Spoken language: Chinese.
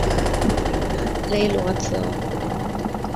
勒罗泽。